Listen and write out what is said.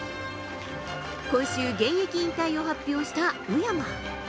今週、現役引退を発表した宇山。